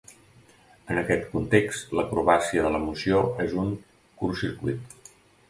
En aquest context l'acrobàcia de l'emoció és un curtcircuit.